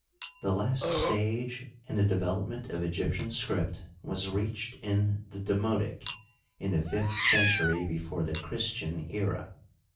The last stage in the development of Egyptian script was reached in the Demotic in tne fifth century be fore the Christian era.